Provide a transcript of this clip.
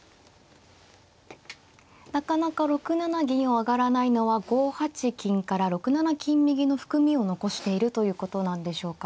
なかなか６七銀を上がらないのは５八金から６七金右の含みを残しているということなんでしょうか。